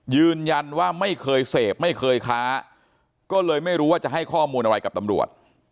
ยืนยันว่าไม่เคยเสพไม่เคยค้าก็เลยไม่รู้ว่าจะให้ข้อมูลอะไรกับตำรวจ